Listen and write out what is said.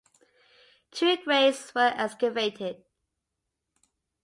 Two graves were excavated.